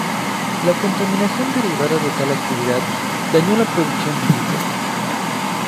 La contaminación derivada de tal actividad daño la producción vinícola.